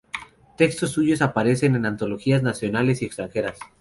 Textos suyos aparecen en antologías nacionales y extranjeras.